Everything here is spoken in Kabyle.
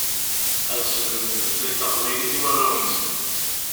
Ad slemdent tutlayt taqbaylit i warraw-nsent.